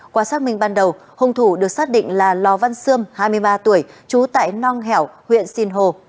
qua xác minh ban đầu hùng thủ được xác định là lò văn sươm hai mươi ba tuổi trú tại nong hẻo huyện sinh hồ